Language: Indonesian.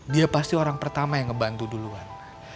dia pasti orang pertama yang ngebantu duluan